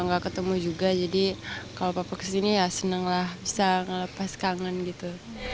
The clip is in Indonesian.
nggak ketemu juga jadi kalau bapak kesini ya seneng lah bisa ngelepas kangen gitu